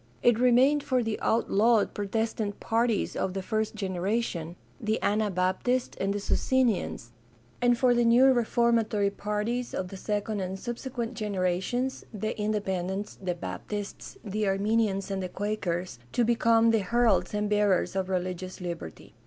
It remained for the outlawed Protestant parties of the first generation— the Anabaptists and the Socinians — and for the new reformatory parties of the second and subsequent generations — the Independents, the Baptists, the Arminians, and the Quakers — to become the heralds and bearers of religious liberty.